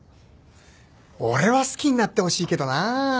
俺は好きになってほしいけどな。